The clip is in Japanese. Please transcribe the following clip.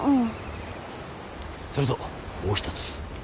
それともう一つ。